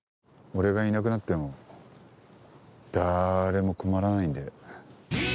俺がいなくなっても誰も困らないんで。